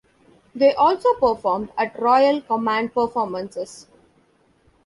They also performed at Royal Command Performances.